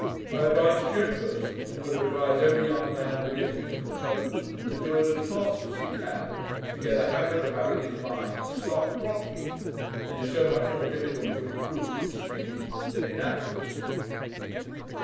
'I advised Chambers, and would advise every young man beginning to compose, to do it as fast as he can, to get a habit of having his mind to start promptly; it is so much more difficult to improve in speed than in accuracy.'